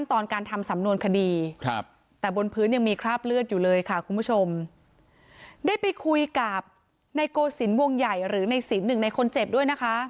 ตอนการทำสำนวนคดีครับแต่บนพื้นยังมีคราบเลือดอยู่เลยค่ะคุณผู้ชมได้ไปคุยกับนายโกศิลป์วงใหญ่หรือในสินหนึ่งในคนเจ็บด้วยนะคะ